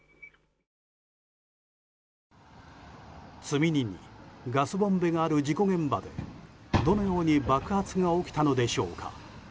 積み荷にガスボンベがある事故現場でどのように爆発が起きたのでしょうか。